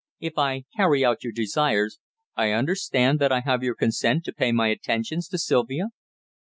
"If I carry out your desires, I understand that I have your consent to pay my attentions to Sylvia?"